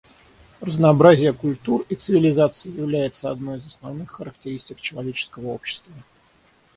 Разнообразие культур и цивилизаций является одной из основных характеристик человеческого общества.